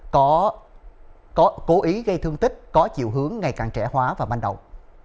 có cố ý gây thương tích có chiều hướng ngày càng trẻ hóa và manh động